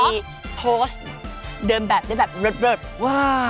เหรอโพสต์เดินแบบได้แบบเบิดว้าว